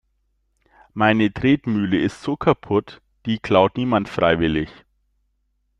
Meine Tretmühle ist so kaputt, die klaut niemand freiwillig.